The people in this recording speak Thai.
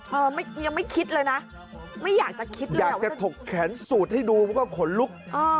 ยังไม่คิดเลยนะไม่อยากจะคิดนะอยากจะถกแขนสูดให้ดูมันก็ขนลุก